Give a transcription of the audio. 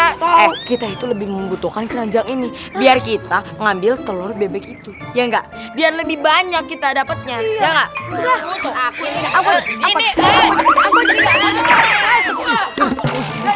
oh kita itu lebih membutuhkan keranjang ini biar kita ngambil telur bebek itu ya enggak biar lebih banyak kita dapatnya ya